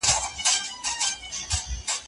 طالبانو له یوې خوا